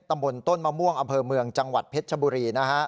ตำบลต้นมะม่วงอำเภอเมืองจังหวัดเพชรชบุรี